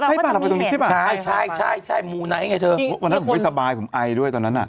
วันนั้นกูยังไม่สบายผมไอด้วยตอนนั้นน่ะ